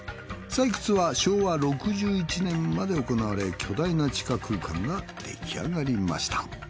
採掘は昭和６１年まで行われ巨大な地下空間が出来上がりました。